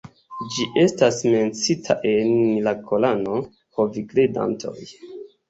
Ĝi estas menciita en la Korano: "Ho vi kredantoj!